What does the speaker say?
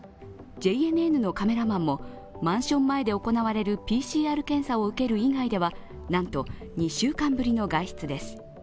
ＪＮＮのカメラマンもマンション前で行われるＰＣＲ検査を受ける以外では、なんと２週間ぶりの外出です。